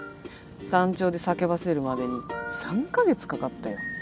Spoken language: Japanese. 山頂で叫ばせるまでに３カ月かかったよ。